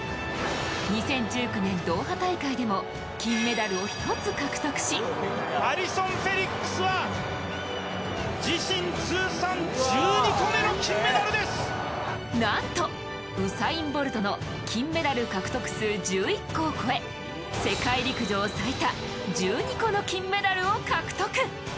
２０１９年ドーハ大会でも金メダルを１つ獲得しなんとウサイン・ボルトの金メダル獲得数１１個を超え世界陸上最多１２個の金メダルを獲得。